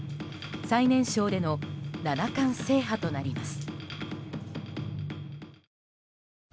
最年少での七冠制覇となります。